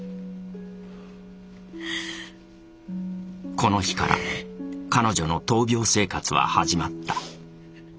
この日から彼女の闘病生活は始まった。